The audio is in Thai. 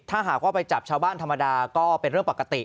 ถ้าหากว่าไปจับชาวบ้านธรรมดาก็เป็นเรื่องปกติ